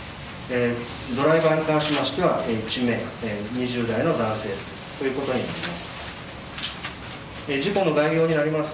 ドライバーに関しましては１名２０代の男性となります。